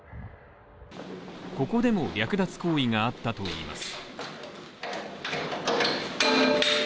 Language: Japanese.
ここでも略奪行為があったといいます。